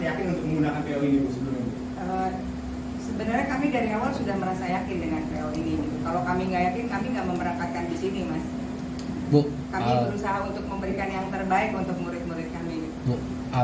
kami berusaha untuk memberikan yang terbaik untuk murid murid kami ini